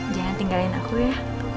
jangan tinggalin aku ya